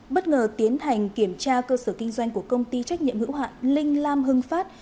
bất ngờ tiến hành kiểm tra cơ sở kinh doanh của công ty trách nhiệm hữu hạn linh lam hưng phát